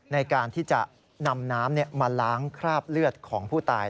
ในการที่จะนำน้ำมาล้างคราบเลือดของผู้ตาย